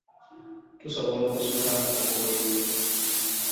Tusobola okuzuka nga tukoye nnyo.